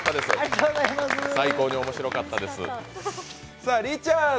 最高に面白かったです。